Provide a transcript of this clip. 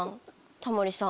タモリさん？